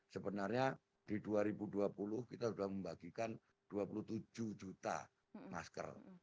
sebenarnya di dua ribu dua puluh kita sudah membagikan dua puluh tujuh juta masker